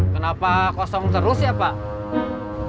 kenapa kosong terus ya pak